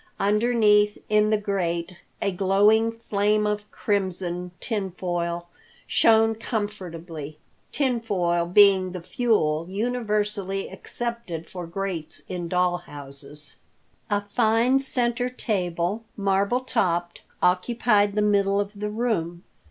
Underneath, in the grate, a glowing flame of crimson tinfoil shone comfortably, tinfoil being the fuel universally accepted for grates in doll houses. A fine center table, marble topped, occupied the middle of the room.